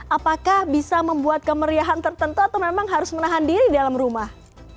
apakah bisa membuat kemeriahan tertentu atau memang harus menahan diri dalam rumah